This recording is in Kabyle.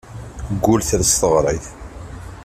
Deg wul ters teɣrit.